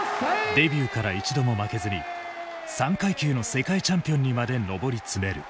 デビューから一度も負けずに３階級の世界チャンピオンにまで上り詰める。